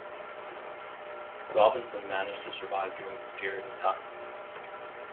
Robinson managed to survive during this period of time.